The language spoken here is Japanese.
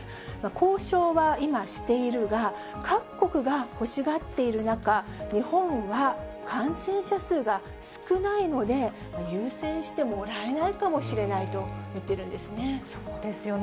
交渉は今、しているが、各国が欲しがっている中、日本は感染者数が少ないので、優先してもらえないかもしれないと言っているんですね。